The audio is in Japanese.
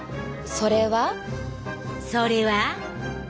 それは。それは。